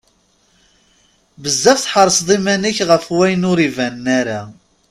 Bezzaf tḥerseḍ iman-ik ɣef wayen ur ibanen ara.